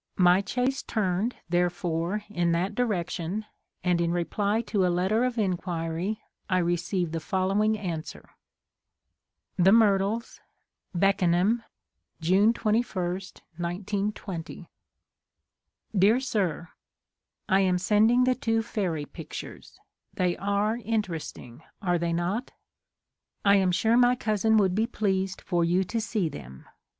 My chase turned, therefore, in that direction, and in reply to a letter of inquiry I received the following answer: The Myrtles, Beckenham, June 21, 1920. Dear Sir, I am sending the two fairy pictures ; they are interesting, are they not ? I am sure my cousin would be pleased for you to see them.